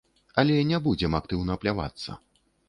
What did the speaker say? Але не будзем актыўна плявацца.